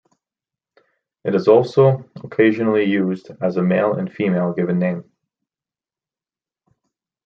It is also occasionally used as a male and female given name.